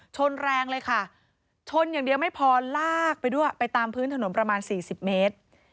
ชนแรงเลยค่ะชนอย่างเดียวไม่พอลากไปด้วยไปตามพื้นถนนประมาณ๔๐เมตร